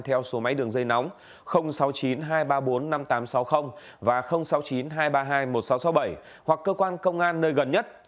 theo số máy đường dây nóng sáu mươi chín hai trăm ba mươi bốn năm nghìn tám trăm sáu mươi và sáu mươi chín hai trăm ba mươi hai một nghìn sáu trăm sáu mươi bảy hoặc cơ quan công an nơi gần nhất